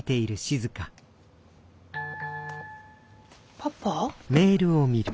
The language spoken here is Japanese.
パパ？